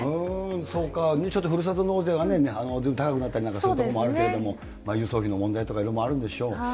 そうか、ちょっとふるさと納税がね、ずいぶん高くなったりなんかする所もあるけど、郵送費の問題とかいろいろあるんでしょう。